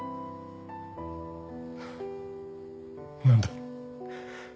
何だ。